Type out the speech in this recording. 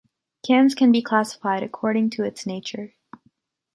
Cams can be classified according to its nature.